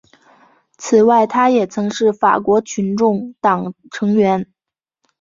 此外他也曾是法国群众党成员。